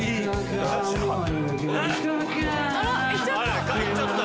あら行っちゃった。